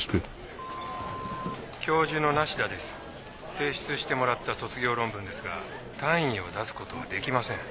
提出してもらった卒業論文ですが単位を出すことはできません。